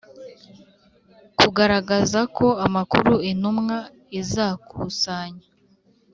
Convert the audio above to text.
Kugaragaza ko amakuru intumwa izakusanya